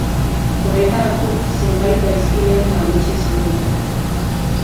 Horretarako, zenbait gaizkileen laguntza izango du.